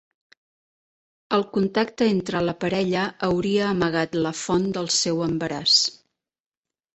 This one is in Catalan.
El contacte entre la parella hauria amagat la font del seu embaràs.